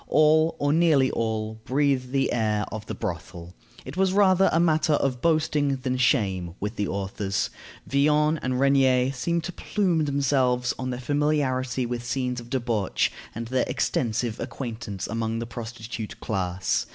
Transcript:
All, or nearly all, breathe the air of the brothel. It was rather a matter of boasting than of shame with the authors. Villon and Regnier seem to plume themselves on their familiarity with scenes of debauch, and their extensive acquaintance among the prostitute class.